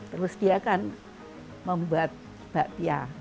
terus dia kan membuat bakpia